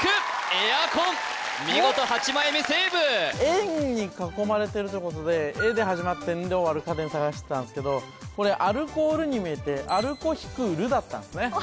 エアコン見事８枚目セーブ円に囲まれてるということで「エ」で始まって「ン」で終わる家電探してたんですけどこれ「アルコール」に見えてだったんですね